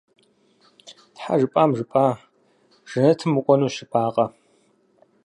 Тхьэ, жыпӀам, жыпӀа! Жэнэтым укӀуэнущ жыпӀакъэ?